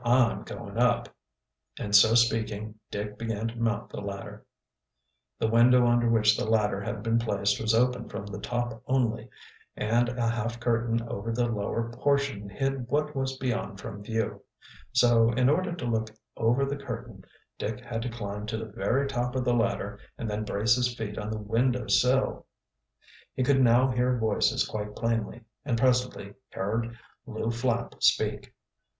I'm going up," and so speaking Dick began to mount the ladder. The window under which the ladder had been placed was open from the top only, and a half curtain over the lower portion hid what was beyond from view. So, in order to look over the curtain, Dick had to climb to the very top of the ladder and then brace his feet on the window sill. He could now hear voices quite plainly, and presently heard Lew Flapp speak.